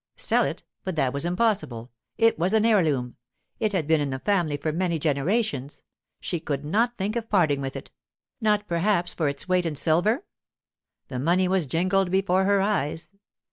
Sell it! But that was impossible. It was an heirloom! it had been in the family for many generations; she could not think of parting with it—not perhaps for its weight in silver?—the money was jingled before her eyes.